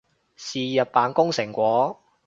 是日扮工成果